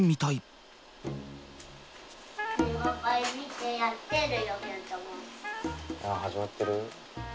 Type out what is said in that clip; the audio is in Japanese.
始まってる？